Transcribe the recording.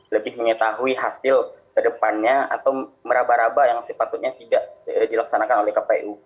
lebih mengetahui hasil ke depannya atau meraba raba yang sepatutnya tidak dilaksanakan oleh kpu